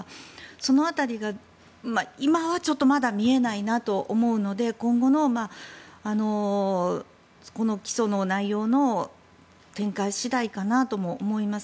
その辺りが今はちょっとまだ見えないなと思うので今後のこの起訴の内容の展開次第かなとも思います。